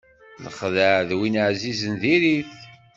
Lexdeɛ d win ɛzizen diri-t.